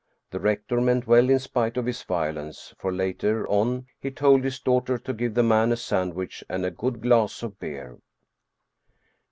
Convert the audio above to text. The rector meant well in spite of his violence, for later on he told his daughter to give the man a sandwich and a good glass of beer.